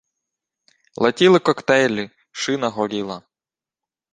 Летіли коктейлі, шина горіла